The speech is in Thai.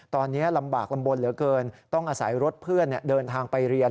ตอนนี้ลำบากลำบลเหลือเกินต้องอาศัยรถเพื่อนเดินทางไปเรียน